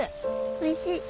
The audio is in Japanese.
おいしい。